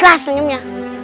yang ikhlas senyumnya